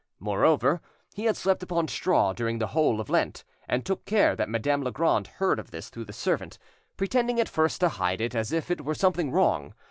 Moreover, he had slept upon straw during the whole of Lent, and took care that Madame Legrand heard of this through the servant, pretending at first to hide it as if it were something wrong.